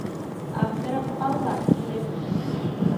Аптырап ҡалма, килеп